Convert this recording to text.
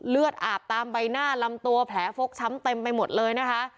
เลือดอาบตามใบหน้าลำตัวแผลฟกช้ำเต็มไปหมดเลยนะคะ